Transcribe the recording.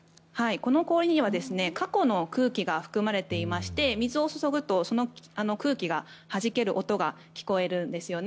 この氷には過去の空気が含まれていまして水を注ぐと、その空気がはじける音が聞こえるんですよね。